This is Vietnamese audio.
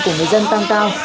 của người dân tăng cao